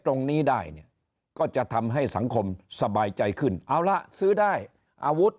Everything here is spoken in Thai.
ตรงนี้ได้เนี่ยก็จะทำให้สังคมสบายใจขึ้นเอาละซื้อได้อาวุธ